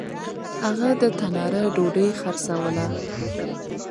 هغه د تنار ډوډۍ خرڅلاوه. .